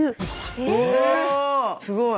おすごい。